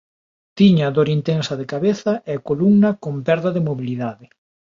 Tiña dor intensa de cabeza e columna con perda de mobilidade.